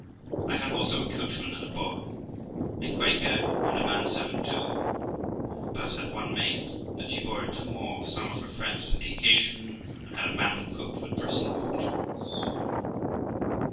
I had also a coachman and a boy. My Quaker had a man servant too, but had but one maid ; but she borrowed two more of some of her friends for the occasion, and had a man cook for dressing the victuals.